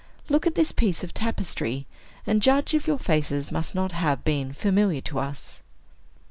Look at this piece of tapestry, and judge if your faces must not have been familiar to us."